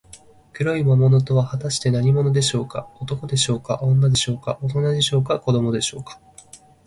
黒い魔物とは、はたして何者でしょうか。男でしょうか、女でしょうか、おとなでしょうか、子どもでしょうか。